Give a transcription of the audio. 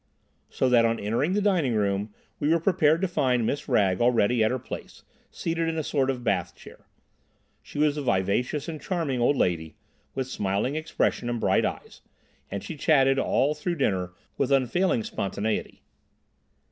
So that on entering the dining room we were prepared to find Miss Wragge already at her place, seated in a sort of bath chair. She was a vivacious and charming old lady, with smiling expression and bright eyes, and she chatted all through dinner with unfailing spontaneity.